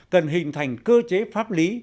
cần hình thành cơ chế pháp lý